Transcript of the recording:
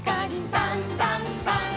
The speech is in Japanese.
「さんさんさん」